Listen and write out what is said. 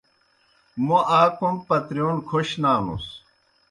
موْ آ کوْم پترِیون کھوش نانُس۔